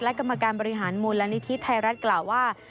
และกรรมการบริหารมูลนิธิไทยรัฐกล่าวว่า